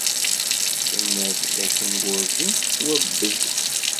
Tenna-d dakken werǧin tettwabeẓ.